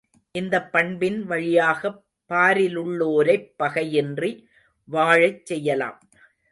இந்தப் பண்பின் வழியாகப் பாரிலுள்ளோரைப் பகையின்றி வாழச் செய்யலாம்.